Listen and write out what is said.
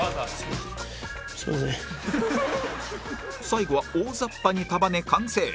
最後は大ざっぱに束ね完成